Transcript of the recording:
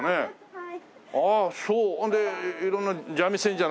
はい。